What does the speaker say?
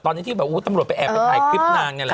ตอนที่คุณตำรวจไปแอบถ่ายคลิปนาง